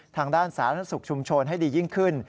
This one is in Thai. ทางด้านสาธารณสุขชุมชนให้ดียิ่งขึ้น